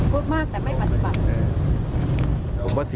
พูดมากแต่ไม่ปฏิบัติ